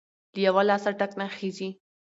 ـ له يوه لاسه ټک نخيژي.